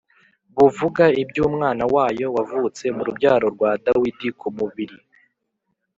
buvuga iby’Umwana wayo wavutse mu rubyaro rwa Dawidi ku mubiri,